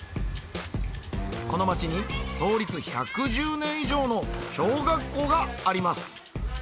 この街に創立１１０年以上の小学校があります。